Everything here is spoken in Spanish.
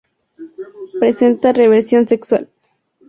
Presenta reversión sexual.